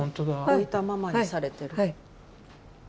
置いたままにされてる。